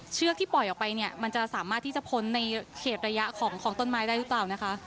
เชือกที่ปล่อยออกไปเนี่ยมันจะสามารถที่จะพ้นในเขตระยะของต้นไม้ได้หรือเปล่านะคะ